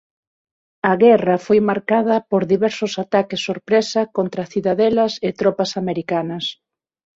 A guerra foi marcada por diversos ataques sorpresa contra cidadelas e tropas americanas.